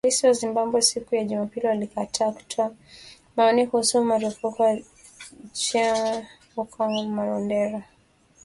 Polisi wa Zimbabwe siku ya Jumapili walikataa kutoa maoni kuhusu marufuku kwa chama huko Marondera